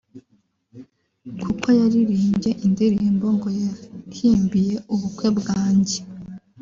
kuko yaririmbye indirimbo ngo yahimbiye ubukwe bwanjye